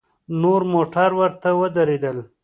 نور موټر ورته ودرېدل.